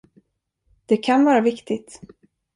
Det kan vara viktigt.